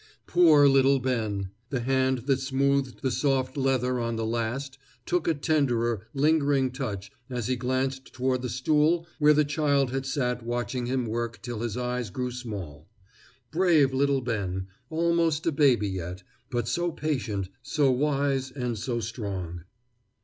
Poor little Ben! The hand that smoothed the soft leather on the last took a tenderer, lingering touch as he glanced toward the stool where the child had sat watching him work till his eyes grew small. Brave little Ben, almost a baby yet, but so patient, so wise, and so strong!